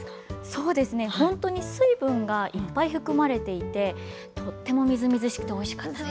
そうですね、本当に水分がいっぱい含まれていて、とってもみずみずしくておいしかったです。